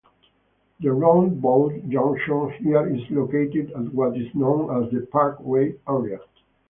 The roundabout junction here is located at what is known as the "Parkway" area.